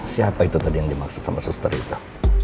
siapa itu tadi yang dimaksud sama suster itu